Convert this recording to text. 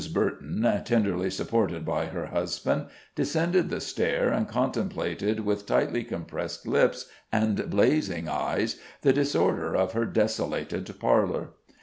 Burton, tenderly supported by her husband, descended the stair, and contemplated with tightly compressed lips and blazing eyes the disorder of her desolated parlor.